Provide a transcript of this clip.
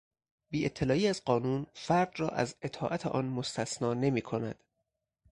بیاطلاعی از قانون فرد را از اطاعت آن مستثنی نمیکند.